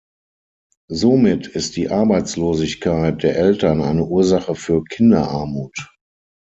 Somit ist die Arbeitslosigkeit der Eltern eine Ursache für Kinderarmut.